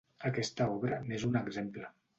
Aquesta obra n'és un exemple.